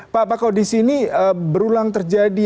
pak apa kondisi ini berulang terjadi